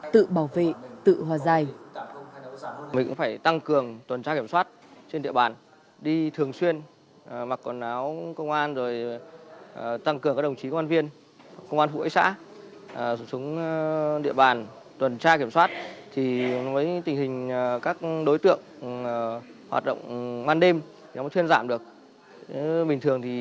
tự bảo vệ tự hòa giải